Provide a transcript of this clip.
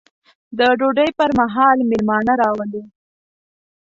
د ډوډۍ پر مهال مېلمانه راولو.